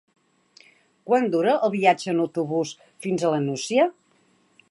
Quant dura el viatge en autobús fins a la Nucia?